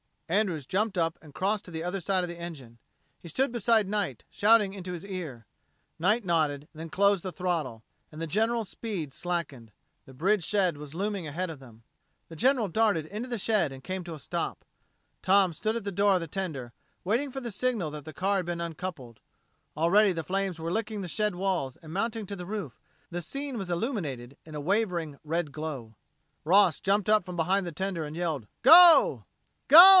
Andrews jumped up and crossed to the other side of the engine. He stood beside Knight, shouting into his ear. Knight nodded; then he closed the throttle, and the General's speed slackened. The bridge shed was looming ahead of them. The General darted into the shed and came to a stop. Tom stood at the door of the tender, waiting for the signal that the car had been uncoupled. Already the flames were licking the shed walls and mounting to the roof; the scene was illuminated in a wavering, red glow. Boss jumped up from behind the tender, and yelled, "Go!" "Go!"